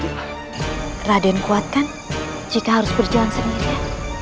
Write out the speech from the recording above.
jangan kuatkan jika harus berjalan sendiri ya